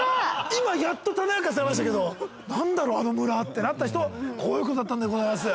今やっとタネ明かしされましたけどなんだろうあの村？ってなった人こういうことだったんでございます。